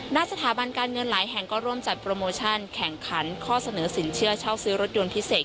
สถาบันการเงินหลายแห่งก็ร่วมจัดโปรโมชั่นแข่งขันข้อเสนอสินเชื่อเช่าซื้อรถยนต์พิเศษ